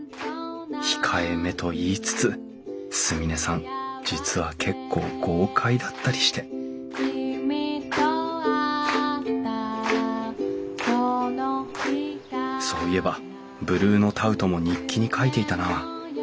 控えめと言いつつ純音さん実は結構豪快だったりしてそういえばブルーノ・タウトも日記に書いていたな。